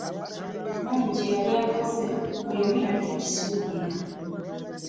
Mungu kye yali akoze, buli omuyali takisuubira!